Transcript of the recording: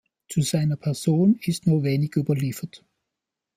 Zu seiner Person ist nur wenig überliefert.